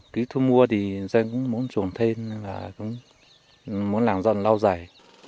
ký thu mua thì doanh cũng muốn trồn thêm và cũng muốn làm dần lao giải